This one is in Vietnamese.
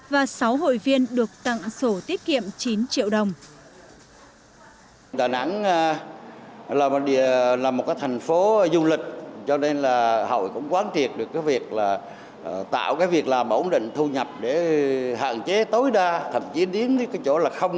và sáu hội viên được tặng sổ tiết kiệm chín triệu đồng